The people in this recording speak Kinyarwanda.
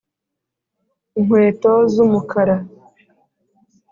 inkweto z'umukara